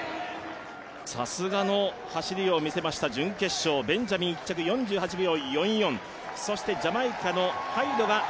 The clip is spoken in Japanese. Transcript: さすがの走りを見せました準決勝ベンジャミン１着、４８秒４４。